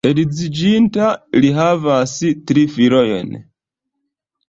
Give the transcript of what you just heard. Edziĝinta, li havas tri filojn.